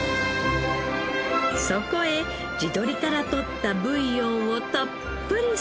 そこへ地鶏からとったブイヨンをたっぷり注ぎ。